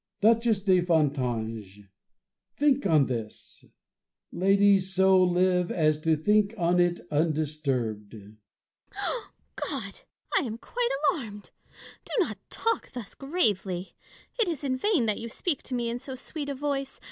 Duchess de Fontanges ! think on this ! Lady ! so live as to think on it undisturbed ! Fontanges. God ! I am quite alarmed. Do not talk thus gravely. It is in vain that you speak to me in so sweet a voice.